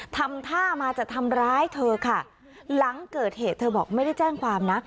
ทำท่ามาจะทำร้ายเธอค่ะหลังเกิดเหตุเธอบอกไม่ได้แจ้งความนะ